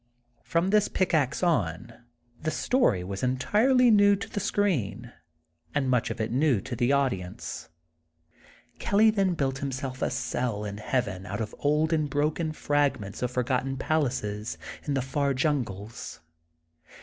From this pickaxe on, the story was entirely new to the screen, and much of it new to the audience. Kelly then built himself a cell in Heaven out of old and broken fragments of forgotten palaces in the far jungles.